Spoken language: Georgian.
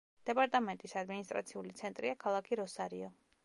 დეპარტამენტის ადმინისტრაციული ცენტრია ქალაქი როსარიო.